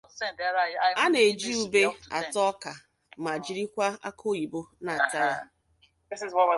A na-eji ube ata ọka ma jirikwa akụoyibo na-ata ya